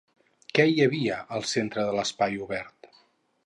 Què hi havia al centre de l'espai obert?